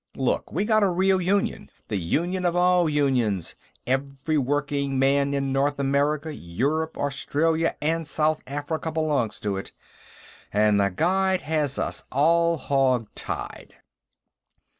"Look, we got a real Union the Union of all unions. Every working man in North America, Europe, Australia and South Africa belongs to it. And The Guide has us all hog tied."